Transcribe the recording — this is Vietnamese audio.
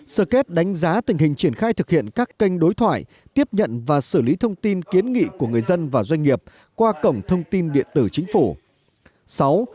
sở kết đánh giá tình hình triển khai thực hiện các kênh đối thoại tiếp nhận và xử lý thông tin kiến nghị của người dân và doanh nghiệp qua cổng thông tin điện tử chính phủ